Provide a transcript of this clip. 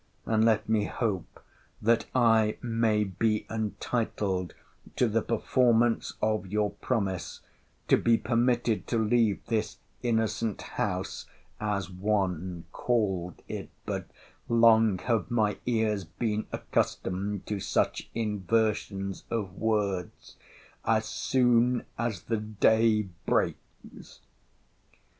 —And let me hope, that I may be entitled to the performance of your promise, to be permitted to leave this innocent house, as one called it, (but long have my ears been accustomed to such inversions of words), as soon as the day breaks.